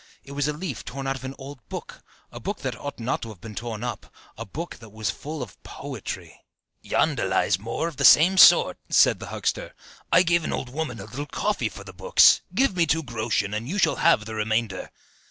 It was a leaf torn out of an old book, a book that ought not to have been torn up, a book that was full of poetry. "Yonder lies some more of the same sort," said the huckster: "I gave an old woman a little coffee for the books; give me two groschen, and you shall have the remainder."